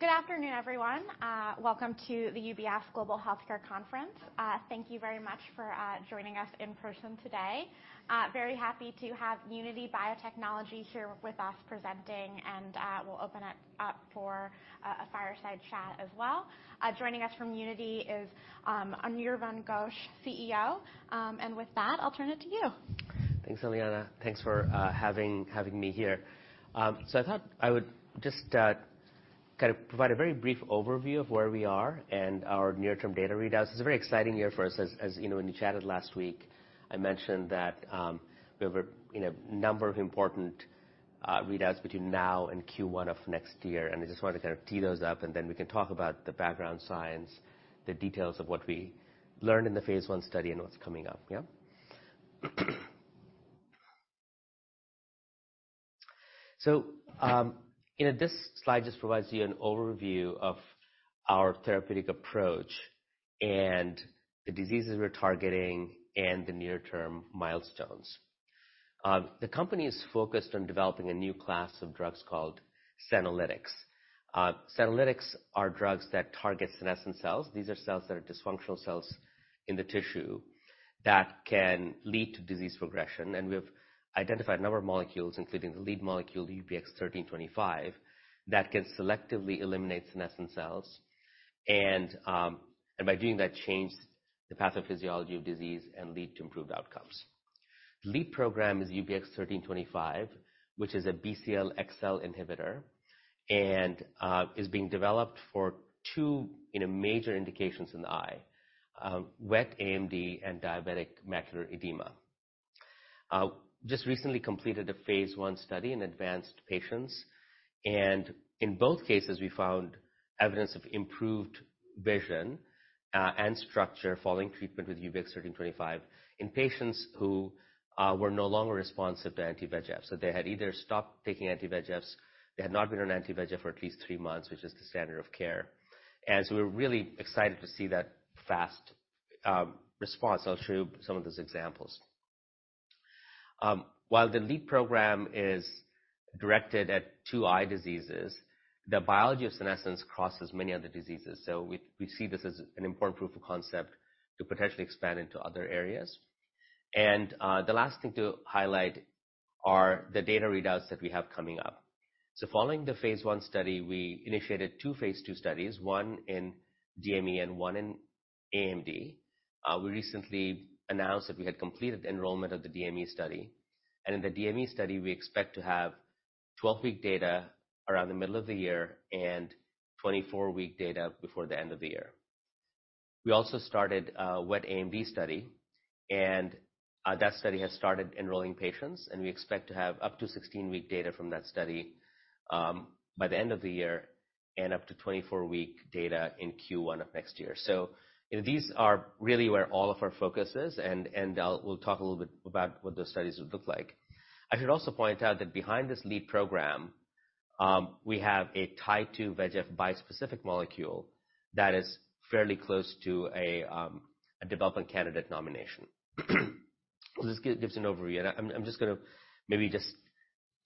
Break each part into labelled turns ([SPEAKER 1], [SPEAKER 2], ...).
[SPEAKER 1] Good afternoon, everyone. Welcome to the UBS Global Healthcare Conference. Thank you very much for joining us in person today. Very happy to have Unity Biotechnology here with us presenting, and we'll open it up for a fireside chat as well. Joining us from Unity is Anirvan Ghosh, CEO. With that, I'll turn it to you.
[SPEAKER 2] Thanks, Eliana. Thanks for having me here. I thought I would just kind of provide a very brief overview of where we are and our near-term data readouts. It's a very exciting year for us. As you know, when we chatted last week, I mentioned that we have a you know number of important readouts between now and Q1 of next year. I just wanted to kind of tee those up, and then we can talk about the background science, the details of what we learned in the phase I study and what's coming up. Yeah. You know, this slide just provides you an overview of our therapeutic approach and the diseases we're targeting and the near-term milestones. The company is focused on developing a new class of drugs called senolytics. Senolytics are drugs that target senescent cells. These are cells that are dysfunctional cells in the tissue that can lead to disease progression. We've identified a number of molecules, including the lead molecule, UBX1325, that can selectively eliminate senescent cells. By doing that, change the pathophysiology of disease and lead to improved outcomes. The lead program is UBX1325, which is a BCL-xL inhibitor, and is being developed for two major indications in the eye, wet AMD and diabetic macular edema. Just recently completed a phase I study in advanced patients, and in both cases, we found evidence of improved vision and structure following treatment with UBX1325 in patients who were no longer responsive to anti-VEGF. They had either stopped taking anti-VEGFs, they had not been on anti-VEGF for at least three months, which is the standard of care. We're really excited to see that fast response. I'll show you some of those examples. While the lead program is directed at two eye diseases, the biology of senescence crosses many other diseases. We see this as an important proof of concept to potentially expand into other areas. The last thing to highlight are the data readouts that we have coming up. Following the phase I study, we initiated two phase II studies, one in DME and one in AMD. We recently announced that we had completed the enrollment of the DME study. In the DME study, we expect to have 12-week data around the middle of the year and 24-week data before the end of the year. We also started a wet AMD study, and that study has started enrolling patients, and we expect to have up to 16-week data from that study by the end of the year and up to 24-week data in Q1 of next year. These are really where all of our focus is, and we'll talk a little bit about what those studies would look like. I should also point out that behind this lead program, we have a Tie2-VEGF bispecific molecule that is fairly close to a development candidate nomination. This gives an overview. I'm just gonna maybe just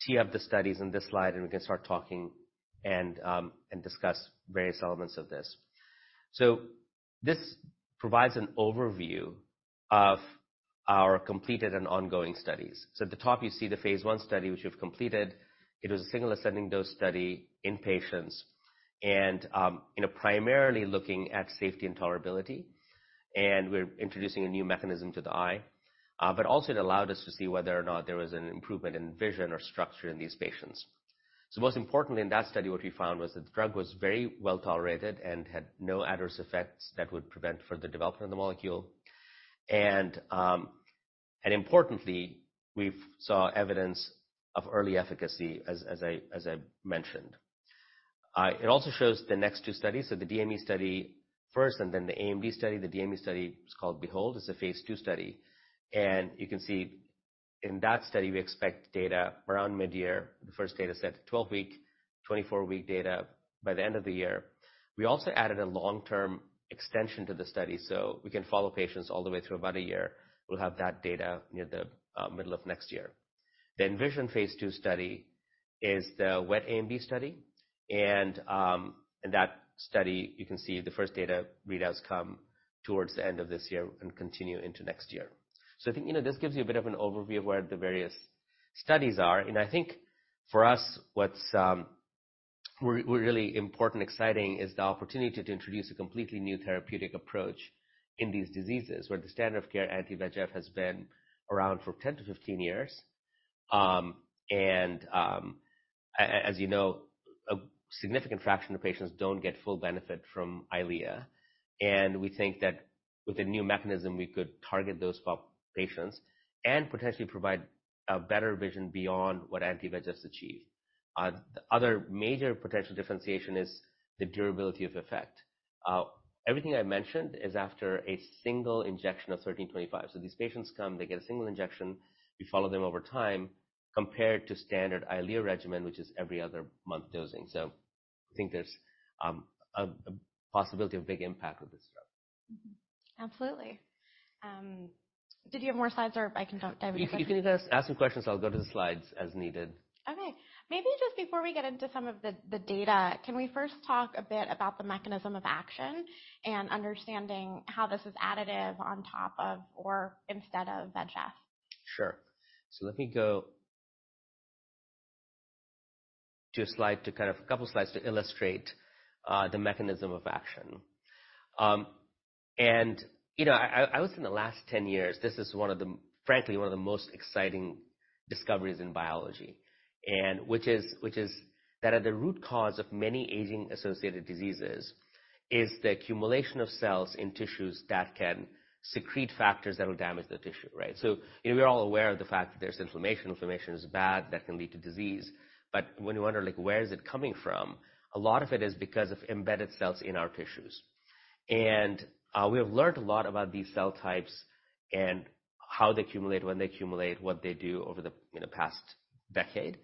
[SPEAKER 2] tee up the studies in this slide, and we can start talking and discuss various elements of this. This provides an overview of our completed and ongoing studies. At the top, you see the phase I study, which we've completed. It was a single ascending dose study in patients, you know, primarily looking at safety and tolerability. We're introducing a new mechanism to the eye, but also it allowed us to see whether or not there was an improvement in vision or structure in these patients. Most importantly, in that study, what we found was that the drug was very well tolerated and had no adverse effects that would prevent further development of the molecule. Importantly, we saw evidence of early efficacy as I mentioned. It also shows the next two studies. The DME study first and then the AMD study. The DME study is called BEHOLD. It's a phase II study. You can see in that study, we expect data around mid-year. The first data set, 12-week, 24-week data by the end of the year. We also added a long-term extension to the study, so we can follow patients all the way through about a year. We'll have that data near the middle of next year. The ENVISION phase II study is the wet AMD study. In that study, you can see the first data readout comes toward the end of this year and continues into next year. I think, you know, this gives you a bit of an overview of where the various studies are. I think for us, what's really important, exciting is the opportunity to introduce a completely new therapeutic approach in these diseases where the standard of care anti-VEGF has been around for 10-15 years. As you know, a significant fraction of patients don't get full benefit from EYLEA. We think that with a new mechanism, we could target those patients and potentially provide a better vision beyond what anti-VEGFs achieve. The other major potential differentiation is the durability of effect. Everything I mentioned is after a single injection of UBX1325. These patients come, they get a single injection, we follow them over time, compared to standard EYLEA regimen, which is every other month dosing. I think there's a possibility of big impact with this drug.
[SPEAKER 1] Absolutely. Did you have more slides or I can dive into questions?
[SPEAKER 2] You can ask some questions. I'll go to the slides as needed.
[SPEAKER 1] Okay. Maybe just before we get into some of the data, can we first talk a bit about the mechanism of action and understanding how this is additive on top of or instead of VEGF?
[SPEAKER 2] Sure. Let me go to a slide couple slides to illustrate the mechanism of action. You know, I would say in the last 10 years, this is one of the, frankly, one of the most exciting discoveries in biology. Which is that at the root cause of many aging-associated diseases is the accumulation of cells in tissues that can secrete factors that will damage the tissue, right? You know, we are all aware of the fact that there's inflammation. Inflammation is bad, that can lead to disease. When you wonder, like, where is it coming from, a lot of it is because of embedded cells in our tissues. We have learned a lot about these cell types and how they accumulate, when they accumulate, what they do over the, you know, past decade.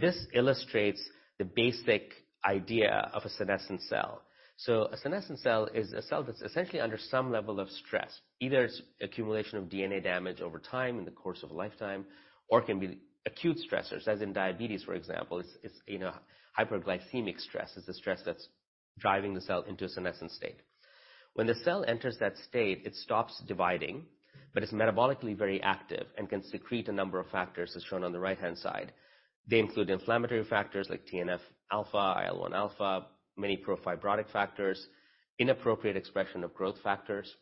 [SPEAKER 2] This illustrates the basic idea of a senescent cell. A senescent cell is a cell that's essentially under some level of stress. Either it's accumulation of DNA damage over time in the course of a lifetime, or it can be acute stressors, as in diabetes, for example. It's you know, hyperglycemic stress. It's the stress that's driving the cell into a senescent state. When the cell enters that state, it stops dividing, but it's metabolically very active and can secrete a number of factors, as shown on the right-hand side. They include inflammatory factors like TNF-α, IL-1α, many pro-fibrotic factors, inappropriate expression of growth factors.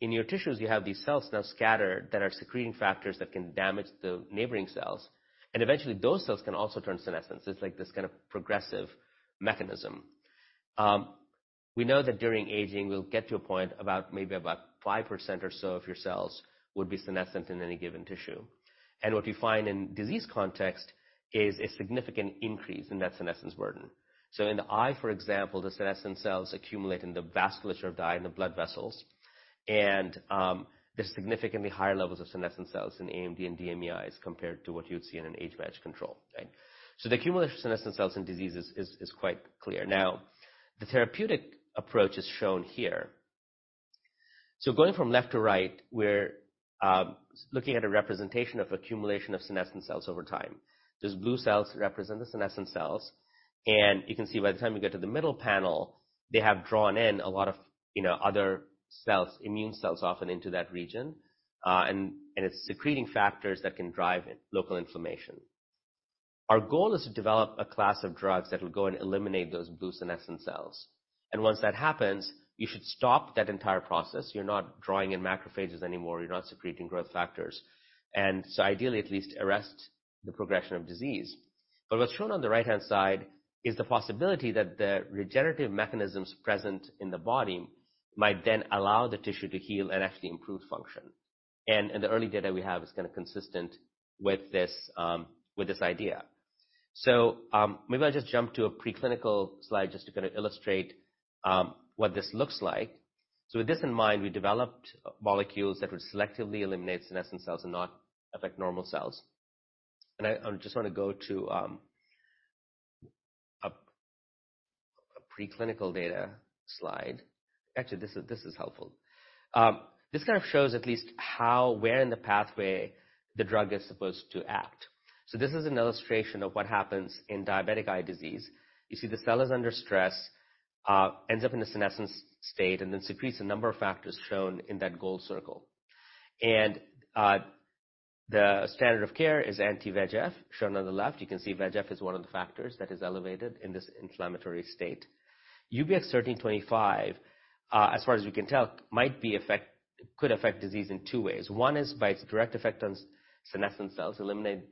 [SPEAKER 2] In your tissues, you have these cells now scattered that are secreting factors that can damage the neighboring cells, and eventually those cells can also turn senescent. It's like this kinda progressive mechanism. We know that during aging, we'll get to a point maybe about 5% or so of your cells would be senescent in any given tissue. What we find in disease context is a significant increase in that senescence burden. In the eye, for example, the senescent cells accumulate in the vasculature of the eye and the blood vessels. There's significantly higher levels of senescent cells in AMD and DME eyes compared to what you would see in an age-matched control, right? The accumulation of senescent cells in diseases is quite clear. Now, the therapeutic approach is shown here. Going from left to right, we're looking at a representation of accumulation of senescent cells over time. Those blue cells represent the senescent cells, and you can see by the time you get to the middle panel, they have drawn in a lot of, you know, other cells, immune cells, often into that region, and it's secreting factors that can drive local inflammation. Our goal is to develop a class of drugs that will go and eliminate those blue senescent cells. Once that happens, you should stop that entire process. You're not drawing in macrophages anymore. You're not secreting growth factors. Ideally, at least arrest the progression of disease. What's shown on the right-hand side is the possibility that the regenerative mechanisms present in the body might then allow the tissue to heal and actually improve function. The early data we have is kinda consistent with this, with this idea. Maybe I'll just jump to a preclinical slide just to kinda illustrate what this looks like. With this in mind, we developed molecules that would selectively eliminate senescent cells and not affect normal cells. I just wanna go to a preclinical data slide. Actually, this is helpful. This kind of shows at least how, where in the pathway the drug is supposed to act. This is an illustration of what happens in diabetic eye disease. You see the cell is under stress, ends up in a senescence state and then secretes a number of factors shown in that gold circle. The standard of care is anti-VEGF, shown on the left. You can see VEGF is one of the factors that is elevated in this inflammatory state. UBX1325, as far as we can tell, could affect disease in two ways. One is by its direct effect on senescent cells, eliminating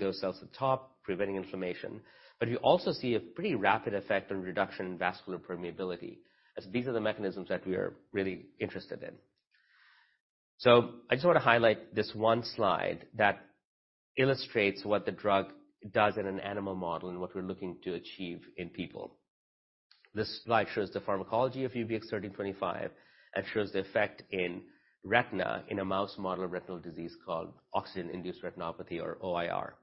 [SPEAKER 2] those cells at the top, preventing inflammation. You also see a pretty rapid effect on reduction in vascular permeability, as these are the mechanisms that we are really interested in. I just wanna highlight this one slide that illustrates what the drug does in an animal model and what we're looking to achieve in people. This slide shows the pharmacology of UBX1325 and shows the effect in retina in a mouse model of retinal disease called oxygen-induced retinopathy or OIR.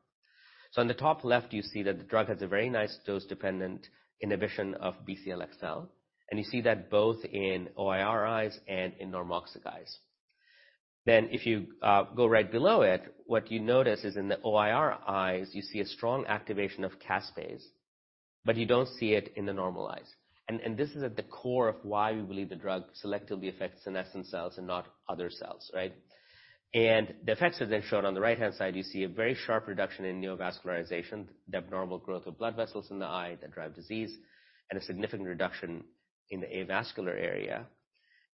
[SPEAKER 2] On the top left, you see that the drug has a very nice dose-dependent inhibition of BCL-xL, and you see that both in OIR eyes and in normoxic eyes. If you go right below it, what you notice is in the OIR eyes, you see a strong activation of caspase, but you don't see it in the normal eyes. This is at the core of why we believe the drug selectively affects senescent cells and not other cells, right? The effects are then shown on the right-hand side. You see a very sharp reduction in neovascularization, the abnormal growth of blood vessels in the eye that drive disease, and a significant reduction in the avascular area.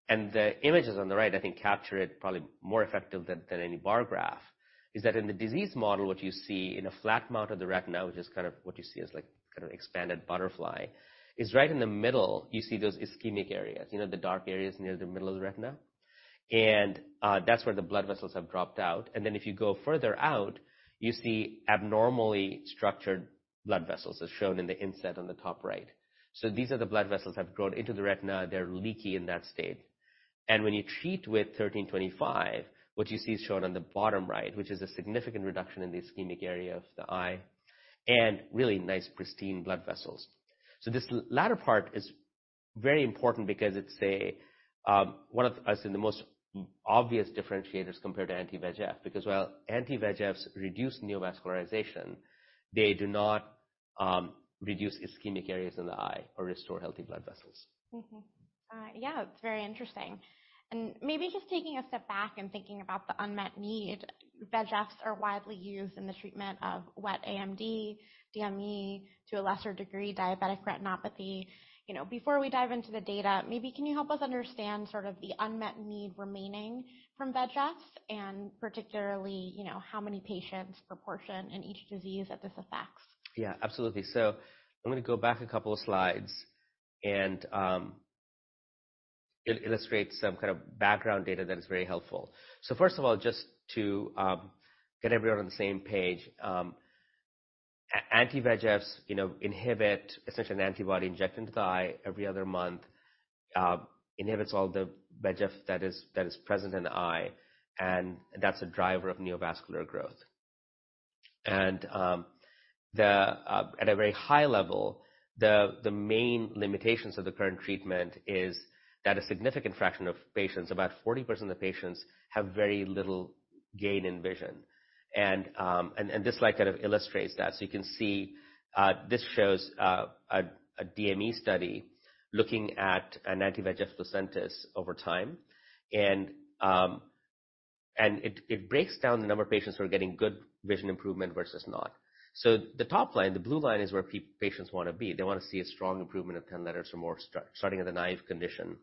[SPEAKER 2] The images on the right, I think, capture it probably more effective than any bar graph. In the disease model, what you see in a flat mount of the retina, which is kind of what you see as like kind of expanded butterfly, is right in the middle, you see those ischemic areas, you know, the dark areas near the middle of the retina. That's where the blood vessels have dropped out. If you go further out, you see abnormally structured blood vessels, as shown in the inset on the top right. These are the blood vessels have grown into the retina. They're leaky in that state. When you treat with UBX1325, what you see is shown on the bottom right, which is a significant reduction in the ischemic area of the eye and really nice, pristine blood vessels. This latter part is very important because it's one of, I say, the most obvious differentiators compared to anti-VEGF, because while anti-VEGFs reduce neovascularization, they do not reduce ischemic areas in the eye or restore healthy blood vessels.
[SPEAKER 1] Yeah, it's very interesting. Maybe just taking a step back and thinking about the unmet need. VEGF are widely used in the treatment of wet AMD, DME, to a lesser degree diabetic retinopathy. You know, before we dive into the data, maybe can you help us understand sort of the unmet need remaining from VEGF and particularly, you know, what proportion of patients in each disease that this affects?
[SPEAKER 2] Yeah, absolutely. I'm gonna go back a couple of slides and illustrate some kind of background data that is very helpful. First of all, just to get everyone on the same page, anti-VEGFs, you know, inhibit, essentially an antibody injected into the eye every other month, inhibits all the VEGF that is present in the eye, and that's a driver of neovascular growth. At a very high level, the main limitations of the current treatment is that a significant fraction of patients, about 40% of the patients, have very little gain in vision. This slide kind of illustrates that. You can see, this shows a DME study looking at an anti-VEGF Lucentis over time. It breaks down the number of patients who are getting good vision improvement versus not. The top line, the blue line is where patients wanna be. They wanna see a strong improvement of 10 letters or more starting at a naive condition.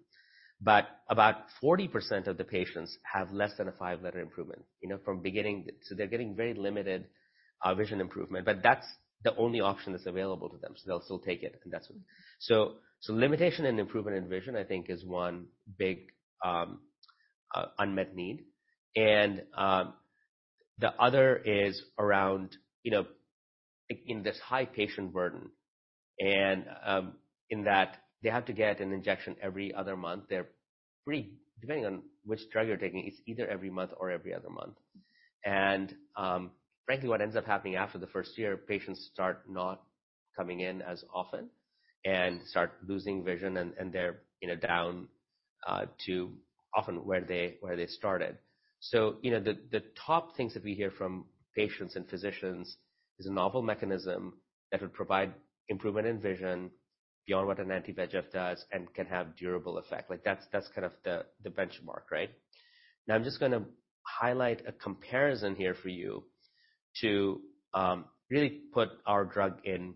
[SPEAKER 2] But about 40% of the patients have less than a five-letter improvement, you know, from beginning. They're getting very limited vision improvement, but that's the only option that's available to them, so they'll still take it, and that's limitation and improvement in vision. I think is one big unmet need. The other is around, you know, in this high patient burden and in that they have to get an injection every other month. They're pretty. Depending on which drug you're taking, it's either every month or every other month. Frankly, what ends up happening after the first year, patients start not coming in as often and start losing vision, and they're, you know, down to often where they started. You know, the top things that we hear from patients and physicians is a novel mechanism that would provide improvement in vision beyond what an anti-VEGF does and can have durable effect. Like, that's kind of the benchmark, right? Now, I'm just gonna highlight a comparison here for you to really put our drug in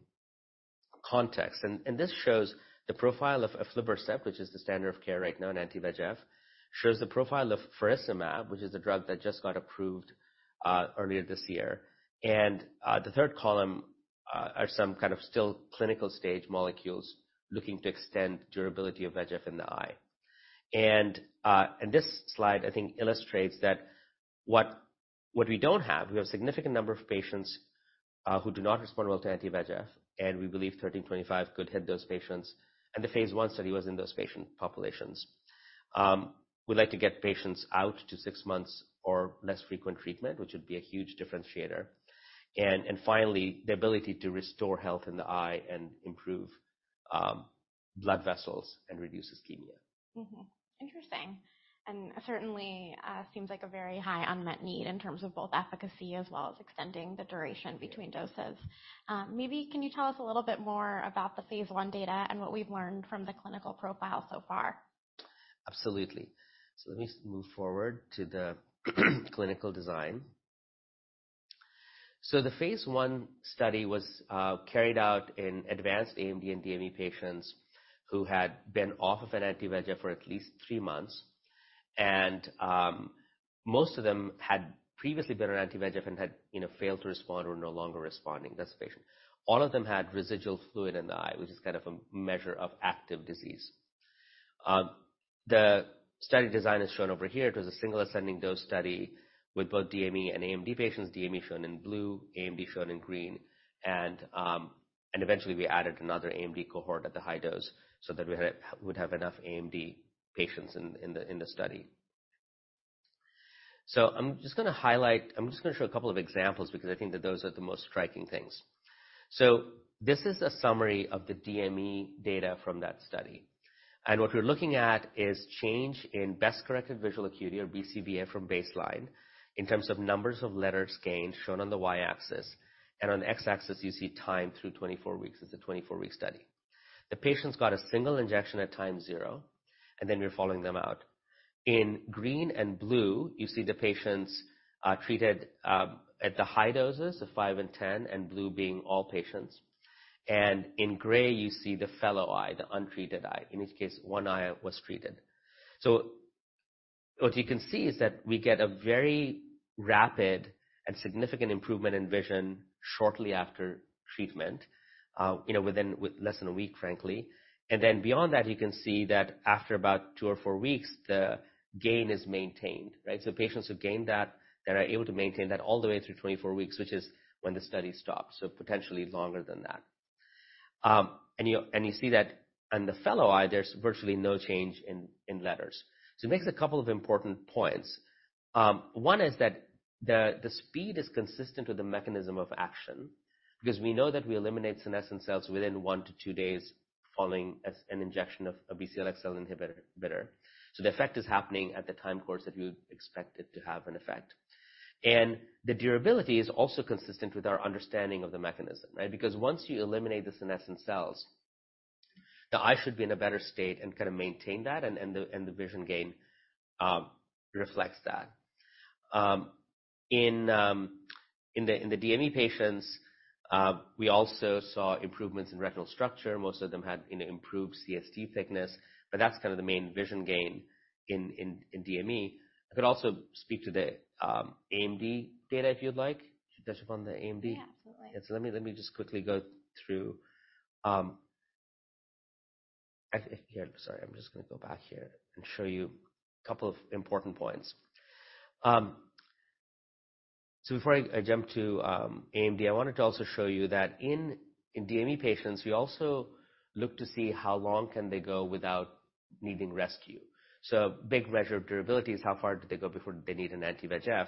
[SPEAKER 2] context. This shows the profile of aflibercept, which is the standard of care right now, an anti-VEGF. This shows the profile of faricimab, which is a drug that just got approved earlier this year. The third column are some kind of still clinical-stage molecules looking to extend durability of VEGF in the eye. This slide I think illustrates that what we don't have, we have a significant number of patients who do not respond well to anti-VEGF, and we believe UBX1325 could hit those patients, and the phase I study was in those patient populations. We'd like to get patients out to six months or less frequent treatment, which would be a huge differentiator. Finally, the ability to restore health in the eye and improve blood vessels and reduce ischemia.
[SPEAKER 1] Mm-hmm. Interesting. Certainly, seems like a very high unmet need in terms of both efficacy as well as extending the duration between doses. Maybe can you tell us a little bit more about the phase I data and what we've learned from the clinical profile so far?
[SPEAKER 2] Absolutely. Let me move forward to the clinical design. The phase I study was carried out in advanced AMD and DME patients who had been off of an anti-VEGF for at least three months. Most of them had previously been on anti-VEGF and had, you know, failed to respond or were no longer responding. That's the patient. All of them had residual fluid in the eye, which is kind of a measure of active disease. The study design is shown over here. It was a single-ascending dose study with both DME and AMD patients. DME shown in blue, AMD shown in green. Eventually, we added another AMD cohort at the high dose so that we would have enough AMD patients in the study. I'm just gonna highlight. I'm just gonna show a couple of examples because I think that those are the most striking things. This is a summary of the DME data from that study. What we're looking at is change in best-corrected visual acuity or BCVA from baseline in terms of numbers of letters gained shown on the Y-axis, and on the X-axis, you see time through 24 weeks. It's a 24-week study. The patients got a single injection at time zero, and then we're following them out. In green and blue, you see the patients treated at the high doses, the five and 10, and blue being all patients. In gray, you see the fellow eye, the untreated eye. In this case, one eye was treated. What you can see is that we get a very rapid and significant improvement in vision shortly after treatment, you know, within less than a week, frankly. Beyond that, you can see that after about two or four weeks, the gain is maintained, right? Patients who gain that, they are able to maintain that all the way through 24 weeks, which is when the study stops, so potentially longer than that. You see that on the fellow eye, there's virtually no change in letters. It makes a couple of important points. One is that the speed is consistent with the mechanism of action. We know that we eliminate senescent cells within one to two days following an injection of a BCL-xL inhibitor. The effect is happening at the time course that you expect it to have an effect. The durability is also consistent with our understanding of the mechanism, right? Because once you eliminate the senescent cells, the eye should be in a better state and kinda maintain that, and the vision gain reflects that. In the DME patients, we also saw improvements in retinal structure. Most of them had, you know, improved CST thickness, but that's kind of the main vision gain in DME. I could also speak to the AMD data, if you'd like. Should touch upon the AMD? Yeah, absolutely. Let me just quickly go through. Sorry, I'm just gonna go back here and show you a couple of important points. Before I jump to AMD, I wanted to also show you that in DME patients, we also look to see how long can they go without needing rescue. Big measure of durability is how far do they go before they need an anti-VEGF.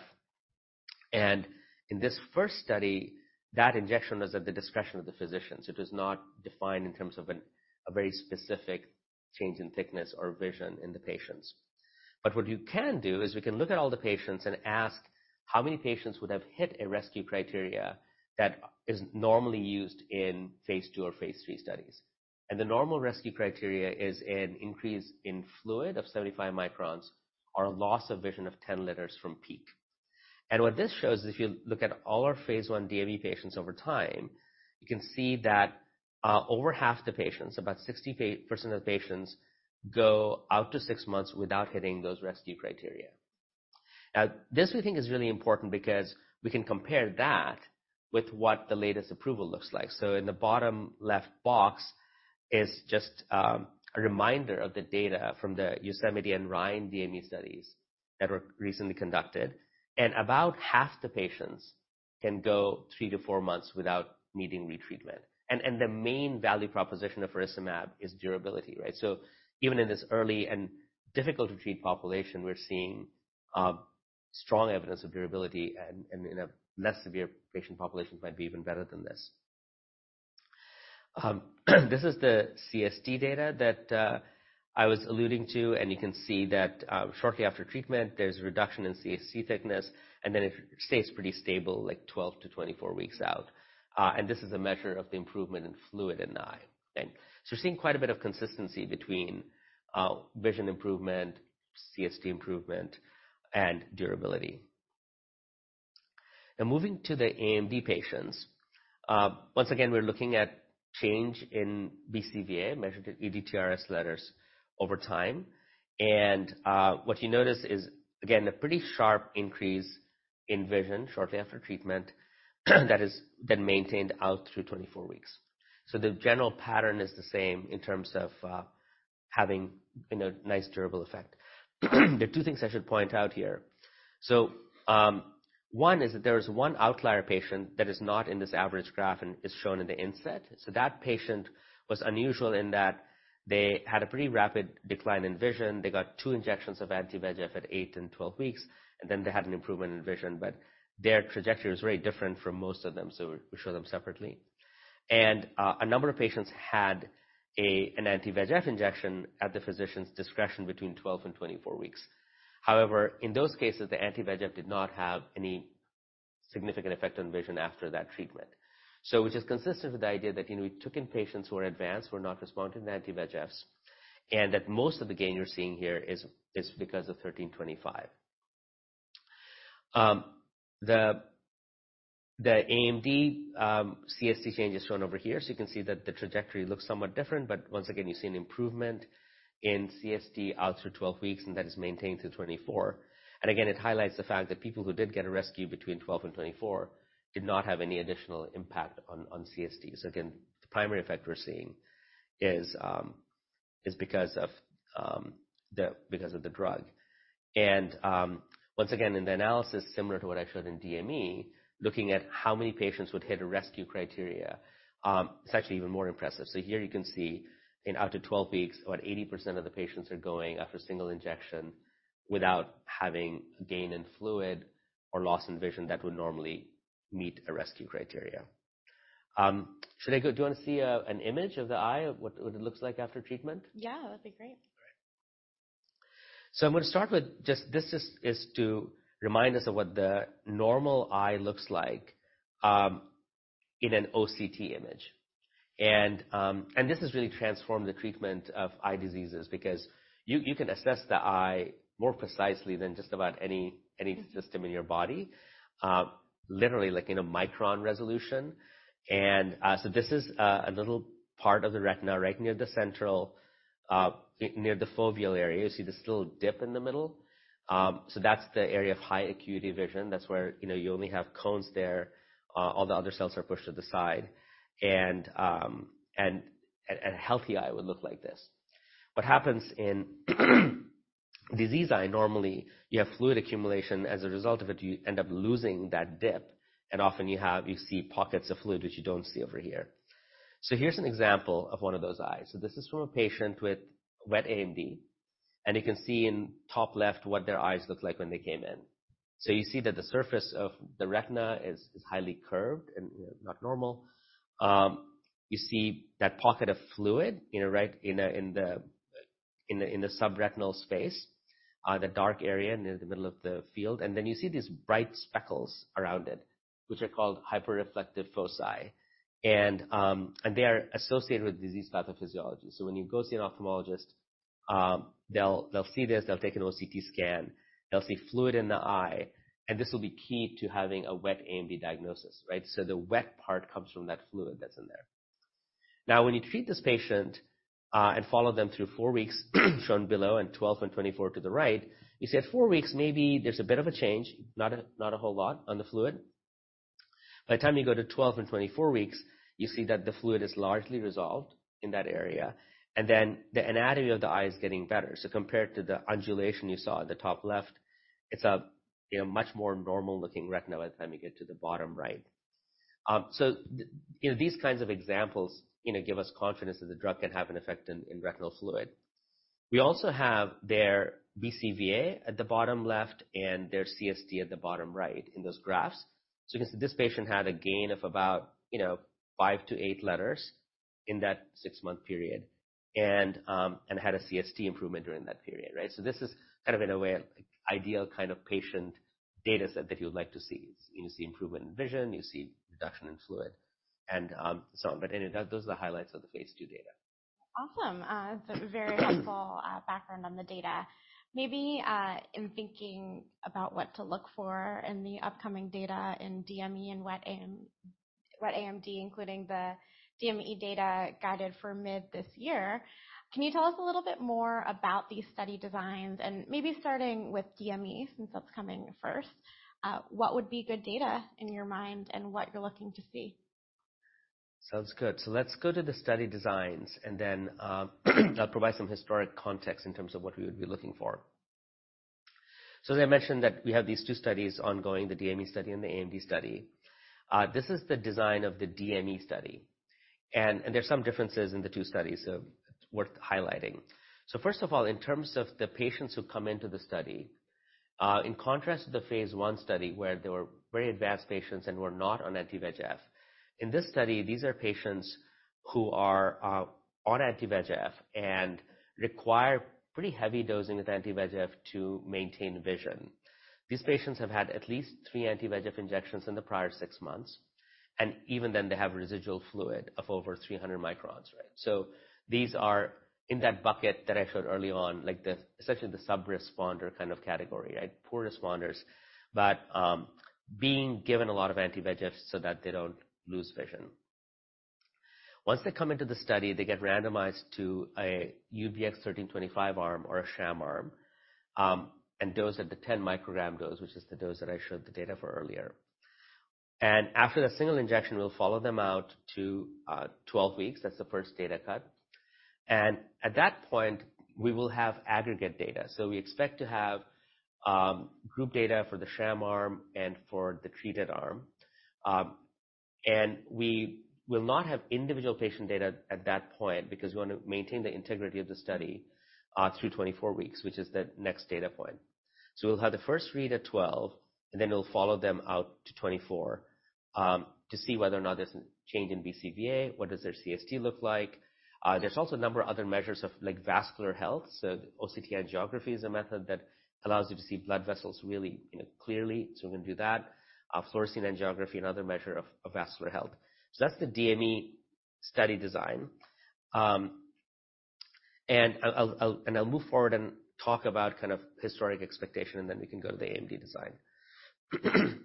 [SPEAKER 2] In this first study, that injection was at the discretion of the physicians. It was not defined in terms of a very specific change in thickness or vision in the patients. What you can do is we can look at all the patients and ask how many patients would have hit a rescue criteria that is normally used in phase II or phase III studies. The normal rescue criteria is an increase in fluid of 75 μm or a loss of vision of 10 letters from peak. What this shows, if you look at all our phase I DME patients over time, you can see that over half the patients, about 60% of the patients, go out to six months without hitting those rescue criteria. Now, this we think is really important because we can compare that with what the latest approval looks like. In the bottom left box is just a reminder of the data from the YOSEMITE and RHINE DME studies that were recently conducted, and about half the patients can go three to four months without needing retreatment. The main value proposition of faricimab is durability, right? Even in this early and difficult to treat population, we're seeing strong evidence of durability and in a less severe patient population might be even better than this. This is the CST data that I was alluding to, and you can see that shortly after treatment, there's a reduction in CST thickness, and then it stays pretty stable like 12-24 weeks out. This is a measure of the improvement in fluid in the eye. We're seeing quite a bit of consistency between vision improvement, CST improvement, and durability. Now moving to the AMD patients. Once again, we're looking at change in BCVA measured in ETDRS letters over time. What you notice is, again, a pretty sharp increase in vision shortly after treatment that is then maintained out through 24 weeks. The general pattern is the same in terms of having, you know, nice durable effect. There are two things I should point out here. One is that there is one outlier patient that is not in this average graph and is shown in the inset. That patient was unusual in that they had a pretty rapid decline in vision. They got two injections of anti-VEGF at eight and 12 weeks, and then they had an improvement in vision, but their trajectory was very different from most of them, so we show them separately. A number of patients had an anti-VEGF injection at the physician's discretion between 12 and 24 weeks. However, in those cases, the anti-VEGF did not have any significant effect on vision after that treatment. Which is consistent with the idea that, you know, we took in patients who were advanced, who are not responding to anti-VEGFs, and that most of the gain you're seeing here is because of UBX1325. The AMD CST change is shown over here, so you can see that the trajectory looks somewhat different, but once again, you see an improvement in CST out through 12 weeks, and that is maintained through 24. Again, it highlights the fact that people who did get a rescue between 12 and 24 did not have any additional impact on CSTs. Again, the primary effect we're seeing is because of the drug. Once again, in the analysis similar to what I showed in DME, looking at how many patients would hit a rescue criteria, it's actually even more impressive. Here you can see in up to 12 weeks, about 80% of the patients are going after a single injection without having gain in fluid or loss in vision that would normally meet a rescue criteria. Do you wanna see a, an image of the eye of what it looks like after treatment? Yeah, that'd be great. All right. I'm gonna start with This is to remind us of what the normal eye looks like in an OCT image. This has really transformed the treatment of eye diseases because you can assess the eye more precisely than just about any system in your body, literally like in a micron resolution. This is a little part of the retina right near the central, near the foveal area. You see this little dip in the middle? That's the area of high acuity vision. That's where, you know, you only have cones there. All the other cells are pushed to the side. A healthy eye would look like this. What happens in diseased eye, normally you have fluid accumulation. As a result of it, you end up losing that dip, and often you have, you see, pockets of fluid, which you don't see over here. Here's an example of one of those eyes. This is from a patient with wet AMD, and you can see in top left what their eyes looked like when they came in. You see that the surface of the retina is highly curved and not normal. You see that pocket of fluid in a... In the subretinal space, the dark area near the middle of the field. Then you see these bright speckles around it, which are called hyperreflective foci. They are associated with disease pathophysiology. When you go see an ophthalmologist, they'll see this, they'll take an OCT scan, they'll see fluid in the eye, and this will be key to having a wet AMD diagnosis, right? The wet part comes from that fluid that's in there. Now, when you treat this patient and follow them through four weeks, shown below, and 12 and 24 to the right, you see at four weeks, maybe there's a bit of a change, not a whole lot on the fluid. By the time you go to 12 and 24 weeks, you see that the fluid is largely resolved in that area, and then the anatomy of the eye is getting better. Compared to the undulation you saw at the top left, it's a, you know, much more normal-looking retina by the time you get to the bottom right. You know, these kinds of examples, you know, give us confidence that the drug can have an effect in retinal fluid. We also have their BCVA at the bottom left and their CST at the bottom right in those graphs. You can see this patient had a gain of about, you know, five to eight letters in that six-month period and had a CST improvement during that period, right? This is kind of, in a way, like ideal kind of patient data set that you would like to see. You see improvement in vision, you see reduction in fluid and so on. Anyway, those are the highlights of the phase II data.
[SPEAKER 1] Awesome. So very helpful background on the data. Maybe, in thinking about what to look for in the upcoming data in DME and wet AMD, including the DME data guided for mid this year, can you tell us a little bit more about these study designs and maybe starting with DME since that's coming first, what would be good data in your mind and what you're looking to see?
[SPEAKER 2] Sounds good. Let's go to the study designs and then, I'll provide some historic context in terms of what we would be looking for. As I mentioned that we have these two studies ongoing, the DME study and the AMD study. This is the design of the DME study. There are some differences in the two studies, so worth highlighting. First of all, in terms of the patients who come into the study, in contrast to the phase I study where they were very advanced patients and were not on anti-VEGF, in this study, these are patients who are on anti-VEGF and require pretty heavy dosing with anti-VEGF to maintain vision. These patients have had at least three anti-VEGF injections in the prior six months, and even then, they have residual fluid of over 300 μm, right? These are in that bucket that I showed early on, like the essentially the sub-responder kind of category, right? Poor responders, but being given a lot of anti-VEGF so that they don't lose vision. Once they come into the study, they get randomized to a UBX1325 arm or a sham arm, and dosed at the 10 microgram dose, which is the dose that I showed the data for earlier. After the single injection, we'll follow them out to 12 weeks. That's the first data cut. At that point, we will have aggregate data. We expect to have group data for the sham arm and for the treated arm. We will not have individual patient data at that point because we want to maintain the integrity of the study through 24 weeks, which is the next data point. We'll have the first read at 12, and then we'll follow them out to 24, to see whether or not there's a change in BCVA. What does their CST look like? There's also a number of other measures of, like, vascular health. OCT angiography is a method that allows you to see blood vessels really, you know, clearly. We're gonna do that. Fluorescein Angiography, another measure of vascular health. That's the DME study design. I'll move forward and talk about kind of historic expectation, and then we can go to the AMD design.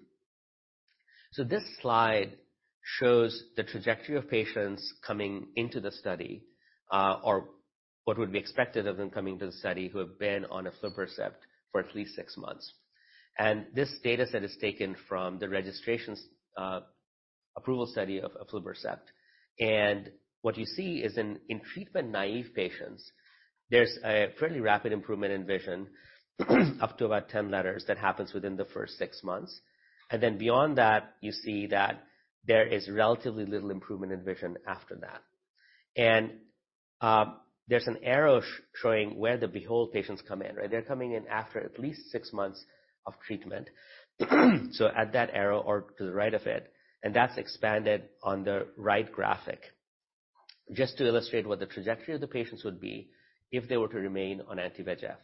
[SPEAKER 2] This slide shows the trajectory of patients coming into the study, or what would be expected of them coming to the study who have been on aflibercept for at least six months. This data set is taken from the registration approval study of aflibercept. What you see is in treatment-naive patients, there's a fairly rapid improvement in vision, up to about 10 letters that happens within the first six months. Beyond that, you see that there is relatively little improvement in vision after that. There's an arrow showing where the BEHOLD patients come in, right? They're coming in after at least six months of treatment. At that arrow or to the right of it, and that's expanded on the right graphic. Just to illustrate what the trajectory of the patients would be if they were to remain on anti-VEGF.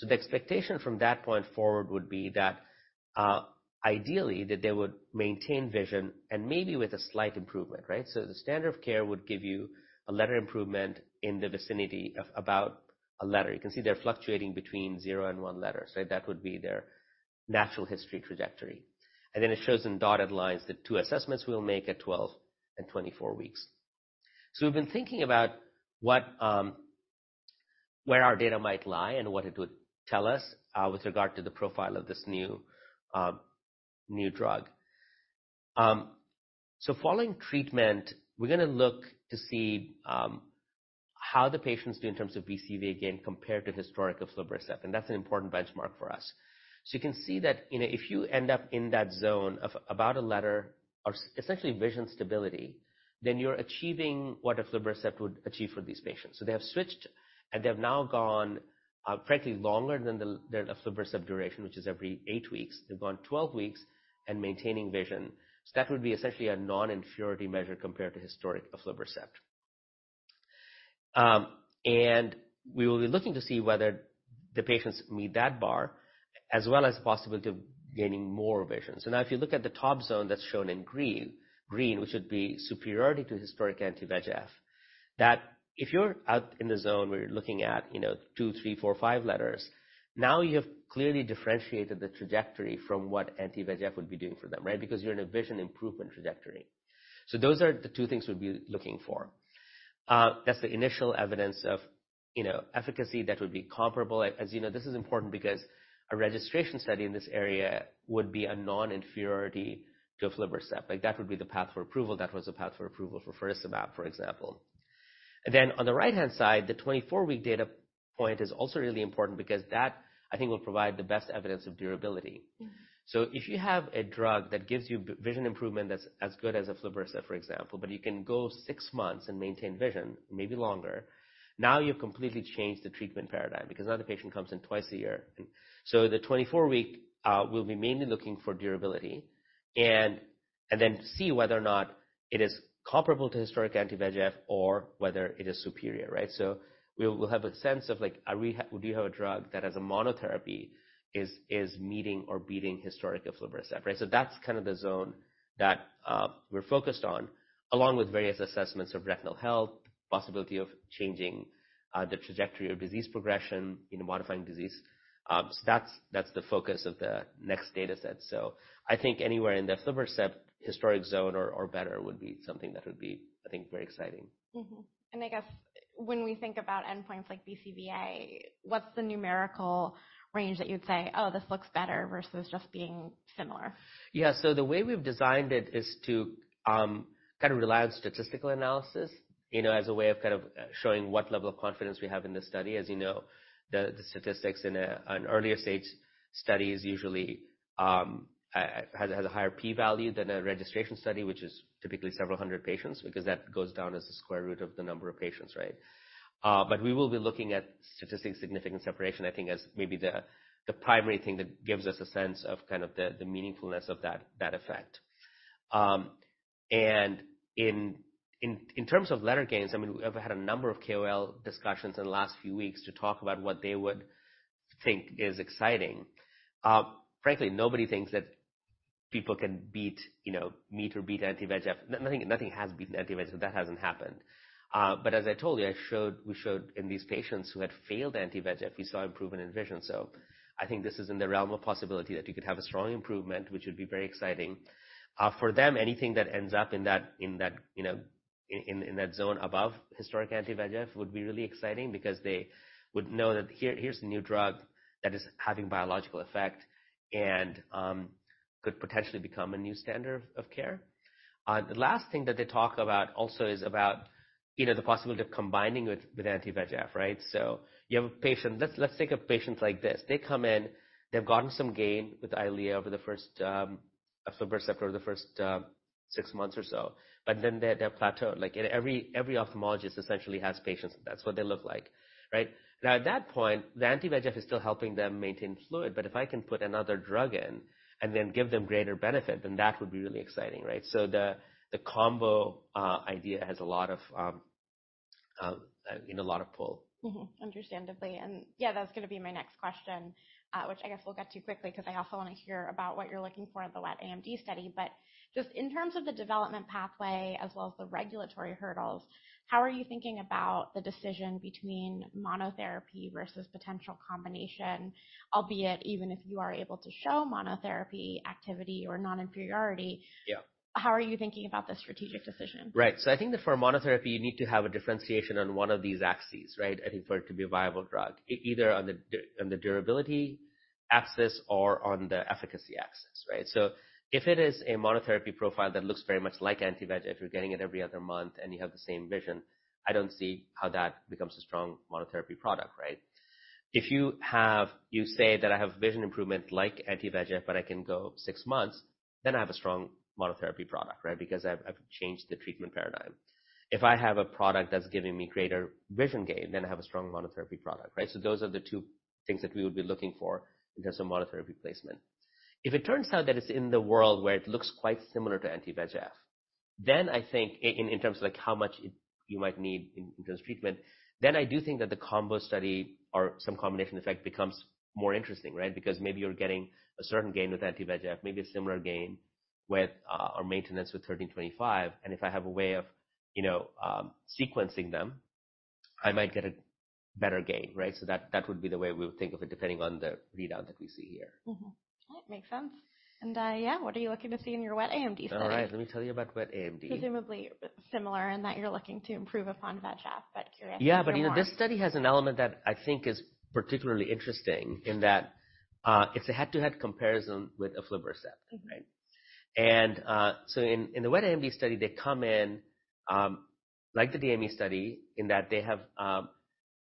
[SPEAKER 2] The expectation from that point forward would be that, ideally, that they would maintain vision and maybe with a slight improvement, right? The standard of care would give you a letter improvement in the vicinity of about a letter. You can see they're fluctuating between zero and one letter. That would be their natural history trajectory. Then it shows in dotted lines the two assessments we'll make at 12 and 24 weeks. We've been thinking about what, where our data might lie and what it would tell us with regard to the profile of this new drug. Following treatment, we're gonna look to see how the patients do in terms of BCVA gain compared to historical aflibercept, and that's an important benchmark for us. You can see that, you know, if you end up in that zone of about a letter or essentially vision stability, then you're achieving what aflibercept would achieve for these patients. They have switched, and they have now gone, frankly, longer than the aflibercept duration, which is every eight weeks. They've gone 12 weeks and maintaining vision. That would be essentially a non-inferiority measure compared to historic aflibercept. And we will be looking to see whether the patients meet that bar as well as possibility of gaining more vision. Now, if you look at the top zone that's shown in green, which would be superiority to historic anti-VEGF, that if you're out in the zone where you're looking at, you know, two, three, four, five letters, now you have clearly differentiated the trajectory from what anti-VEGF would be doing for them, right? Because you're in a vision improvement trajectory. Those are the two things we'll be looking for. That's the initial evidence of, you know, efficacy that would be comparable. As you know, this is important because a registration study in this area would be a non-inferiority to aflibercept. Like, that would be the path for approval. That was the path for approval for Lucentis, for example. On the right-hand side, the 24-week data point is also really important because that, I think, will provide the best evidence of durability.
[SPEAKER 1] Mm-hmm.
[SPEAKER 2] If you have a drug that gives you vision improvement, that's as good as aflibercept, for example, but you can go six months and maintain vision, maybe longer. Now you've completely changed the treatment paradigm because now the patient comes in twice a year. The 24-week, we'll be mainly looking for durability and then see whether or not it is comparable to historic anti-VEGF or whether it is superior, right? We'll have a sense of like, Do you have a drug that as a monotherapy is meeting or beating historic aflibercept, right? That's kind of the zone that, we're focused on, along with various assessments of retinal health, possibility of changing the trajectory of disease progression, you know, modifying disease. That's the focus of the next data set. I think anywhere in the aflibercept historic zone or better would be something that would be, I think, very exciting.
[SPEAKER 1] I guess when we think about endpoints like BCVA, what's the numerical range that you'd say, "Oh, this looks better," versus just being similar?
[SPEAKER 2] Yeah. The way we've designed it is to kind of rely on statistical analysis, you know, as a way of kind of showing what level of confidence we have in the study. As you know, the statistics in an earlier-stage study is usually has a higher P value than a registration study, which is typically several hundred patients, because that goes down as the square root of the number of patients, right? We will be looking at statistical significance separation, I think, as maybe the primary thing that gives us a sense of kind of the meaningfulness of that effect. In terms of letter gains, I mean, we've had a number of KOL discussions in the last few weeks to talk about what they would think is exciting. Frankly, nobody thinks that people can beat, you know, meet or beat anti-VEGF. Nothing has beaten anti-VEGF. That hasn't happened. As I told you, we showed in these patients who had failed anti-VEGF, we saw improvement in vision. I think this is in the realm of possibility that you could have a strong improvement, which would be very exciting. For them, anything that ends up in that zone above historic anti-VEGF would be really exciting because they would know that here's the new drug that is having biological effect and could potentially become a new standard of care. The last thing that they talk about also is about, you know, the possibility of combining with anti-VEGF, right? You have a patient. Let's take a patient like this. They come in, they've gotten some gain with EYLEA over the first six months or so, but then they've plateaued. Like, every ophthalmologist essentially has patients, that's what they look like, right? Now, at that point, the anti-VEGF is still helping them maintain fluid, but if I can put another drug in and then give them greater benefit, then that would be really exciting, right? The combo idea has a lot of, you know, a lot of pull.
[SPEAKER 1] Mm-hmm. Understandably. Yeah, that's gonna be my next question, which I guess we'll get to quickly, because I also wanna hear about what you're looking for in the wet AMD study. Just in terms of the development pathway as well as the regulatory hurdles, how are you thinking about the decision between monotherapy versus potential combination, albeit even if you are able to show monotherapy activity or non-inferiority?
[SPEAKER 2] Yeah.
[SPEAKER 1] How are you thinking about the strategic decision?
[SPEAKER 2] Right. I think that for a monotherapy, you need to have a differentiation on one of these axes, right? I think for it to be a viable drug, either on the durability axis or on the efficacy axis, right? If it is a monotherapy profile that looks very much like anti-VEGF, you're getting it every other month and you have the same vision, I don't see how that becomes a strong monotherapy product, right? You say that I have vision improvement like anti-VEGF, but I can go six months, then I have a strong monotherapy product, right? Because I've changed the treatment paradigm. If I have a product that's giving me greater vision gain, then I have a strong monotherapy product, right? Those are the two things that we would be looking for in terms of monotherapy placement. If it turns out that it's in the world where it looks quite similar to anti-VEGF, then I think in terms of, like, how much you might need in terms of treatment, then I do think that the combo study or some combination effect becomes more interesting, right? Because maybe you're getting a certain gain with anti-VEGF, maybe a similar gain with our maintenance with thirteen twenty-five, and if I have a way of, you know, sequencing them, I might get a better gain, right? That would be the way we would think of it, depending on the readout that we see here.
[SPEAKER 1] Mm-hmm. Makes sense. Yeah, what are you looking to see in your wet AMD study?
[SPEAKER 2] All right. Let me tell you about wet AMD.
[SPEAKER 1] Presumably similar in that you're looking to improve upon VEGF, but curious if you want?
[SPEAKER 2] Yeah. You know, this study has an element that I think is particularly interesting in that, it's a head-to-head comparison with aflibercept, right?
[SPEAKER 1] Mm-hmm.
[SPEAKER 2] In the wet AMD study, they come in like the DME study, in that they have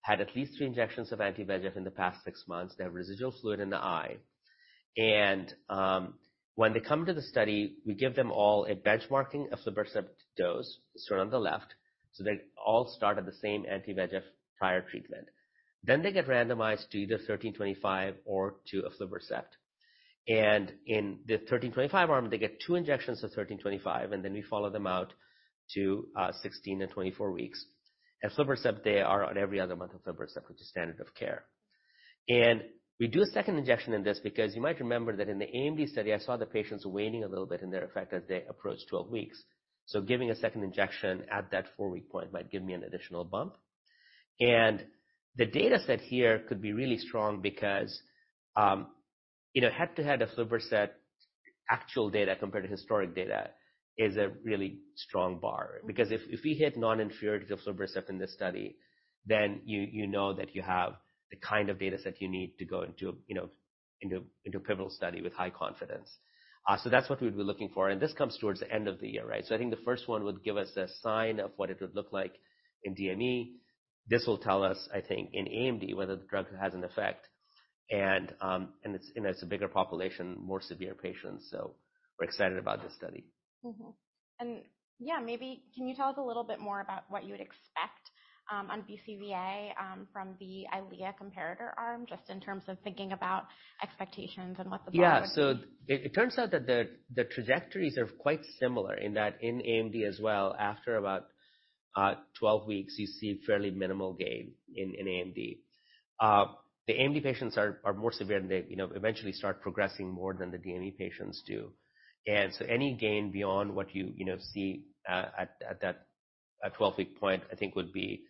[SPEAKER 2] had at least three injections of anti-VEGF in the past six months. They have residual fluid in the eye and when they come to the study, we give them all a benchmarking aflibercept dose, shown on the left, so they all start at the same anti-VEGF prior treatment. They get randomized to either UBX1325 or to aflibercept. In the UBX1325 arm, they get two injections of UBX1325, and then we follow them out to 16-24 weeks. Aflibercept, they are on every other month aflibercept, which is standard of care. We do a second injection in this because you might remember that in the AMD study, I saw the patients waning a little bit in their effect as they approached 12 weeks. Giving a second injection at that four-week point might give me an additional bump. The data set here could be really strong because, you know, head-to-head aflibercept actual data compared to historic data is a really strong bar. Because if we hit non-inferiority of aflibercept in this study, then you know that you have the kind of data set you need to go into, you know, into pivotal study with high confidence. That's what we would be looking for. This comes towards the end of the year, right? I think the first one would give us a sign of what it would look like in DME. This will tell us, I think, in AMD, whether the drug has an effect and it's a bigger population, more severe patients. We're excited about this study.
[SPEAKER 1] Yeah, maybe can you tell us a little bit more about what you would expect on BCVA from the EYLEA comparator arm, just in terms of thinking about expectations and what the bar would be?
[SPEAKER 2] Yeah. It turns out that the trajectories are quite similar in that in AMD as well, after about 12 weeks, you see fairly minimal gain in AMD. The AMD patients are more severe, and they, you know, eventually start progressing more than the DME patients do. Any gain beyond what you see at that 12-week point, I think would be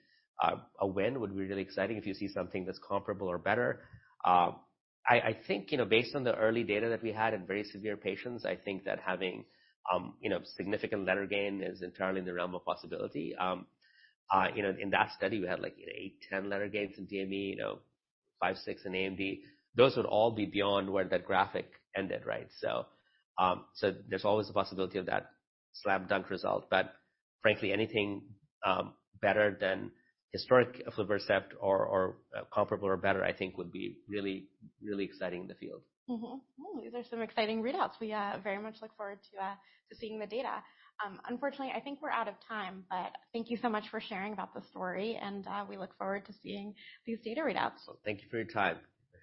[SPEAKER 2] a win, would be really exciting if you see something that's comparable or better. I think, you know, based on the early data that we had in very severe patients, I think that having significant letter gain is entirely in the realm of possibility. In that study, we had, like, you know, eight, 10-letter gains in DME, you know, five, six letters in AMD. Those would all be beyond where that graphic ended, right? There's always a possibility of that slam dunk result. Frankly, anything better than historical aflibercept or comparable or better, I think would be really, really exciting in the field.
[SPEAKER 1] Cool. These are some exciting readouts. We very much look forward to seeing the data. Unfortunately, I think we're out of time, but thank you so much for sharing about the story and we look forward to seeing these data readouts.
[SPEAKER 2] Well, thank you for your time.